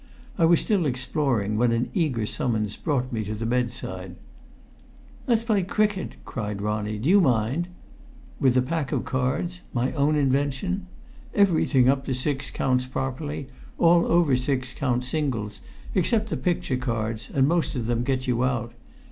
I was still exploring when an eager summons brought me to the bedside. "Let's play cricket!" cried Ronnie "do you mind? With a pack of cards my own invention! Everything up to six counts properly; all over six count singles, except the picture cards, and most of them get you out.